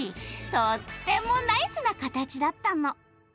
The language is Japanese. とってもナイスなカタチだったの。